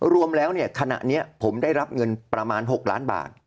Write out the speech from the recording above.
รวมแล้วเนี่ยขณะนี้ผมได้รับเงินประมาณ๖ล้านบาท